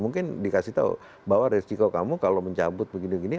mungkin dikasih tahu bahwa resiko kamu kalau mencabut begini begini